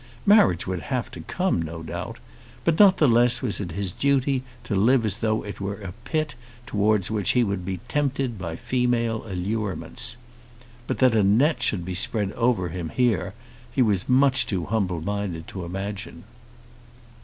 Marriage would have to come, no doubt; but not the less was it his duty to live as though it were a pit towards which he would be tempted by female allurements. But that a net should be spread over him here he was much too humble minded to imagine.